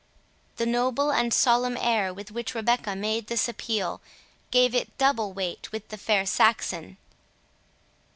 The noble and solemn air with which Rebecca made this appeal, gave it double weight with the fair Saxon.